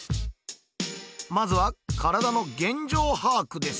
まずは体の現状把握です